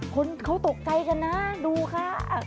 คนตกใกล่กันนะดูค่ะ